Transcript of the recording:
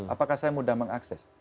apakah saya mudah mengakses